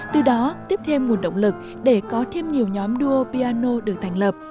từ đó tiếp thêm nguồn động lực để có thêm nhiều nhóm duo piano được thành lập